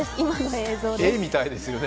絵みたいですよね。